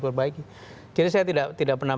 perbaiki jadi saya tidak pernah